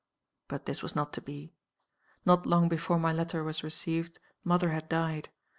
"But this was not to be. Not long before my letter was received mother had died.